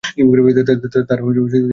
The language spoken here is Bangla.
তারা দুজনেই ইহুদি ছিলেন।